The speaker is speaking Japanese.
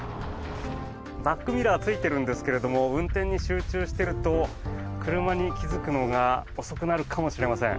バックミラーがついているんですが運転に集中してると車に気付くのが遅くなるかもしれません。